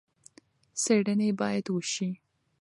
څېړنې باید وشي.